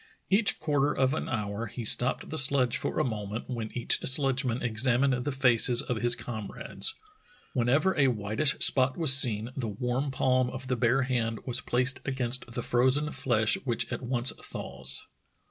Each quarter of an hour he stopped the sledge for a moment, when each sledgeman examined the faces of his comrades. When ever a whitish spot was seen, the warm palm of the bare hand was placed against the frozen flesh v/hich at once thaws.